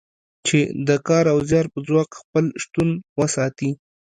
چې د کار او زیار په ځواک خپل شتون وساتي.